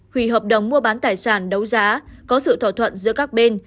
hủy hợp đồng mua bán tài sản đấu giá có sự thỏa thuận giữa các bên